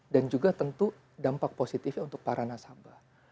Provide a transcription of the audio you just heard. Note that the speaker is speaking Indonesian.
dan juga tentu dampak positifnya untuk para nasabah